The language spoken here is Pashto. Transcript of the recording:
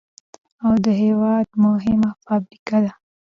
او د هېواد مهمه فابريكه ده،